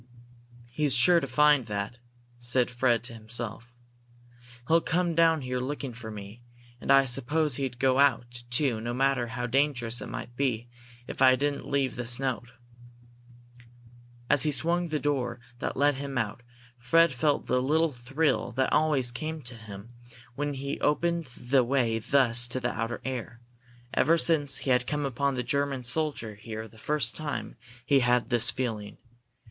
"He's sure to find that," said Fred to himself. "He'll come down here looking for me, and I suppose he'd go out, too, no matter how dangerous it might be, if I didn't leave this note." As he swung the door that let him out, Fred felt the little thrill that always came to him when he opened the way thus to the outer air. Ever since he had come upon the German soldier here the first time, he had had this feeling.